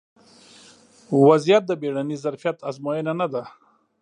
ا وضعیت د بیړني ظرفیت ازموینه نه ده